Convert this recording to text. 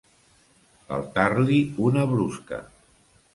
Faltar-li una brusca.